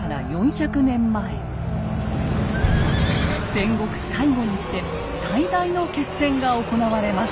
戦国最後にして最大の決戦が行われます。